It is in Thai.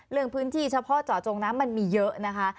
เรื่องพื้นที่เฉพาะเจาะจงน้ำมันมีเยอะนะคะ